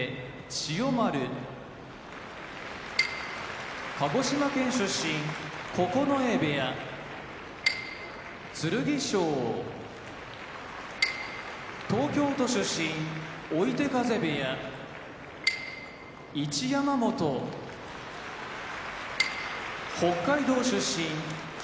千代丸鹿児島県出身九重部屋剣翔東京都出身追手風部屋一山本北海道出身放駒部屋